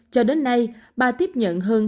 cho đến nay bà tiếp nhận hơn